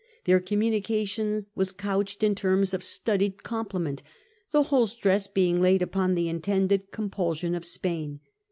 Their com munication was couched in terms of studied compliment, the whole stress being laid upon the intended compulsion of Spain.